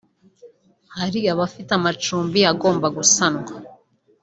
hari abafite amacumbi agomba gusanwa